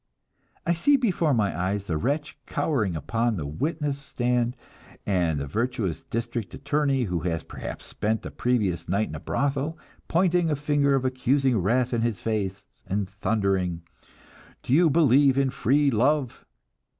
I see before my eyes the wretch cowering upon the witness stand, and the virtuous district attorney, who has perhaps spent the previous night in a brothel, pointing a finger of accusing wrath into his face, and thundering, "Do you believe in free love?"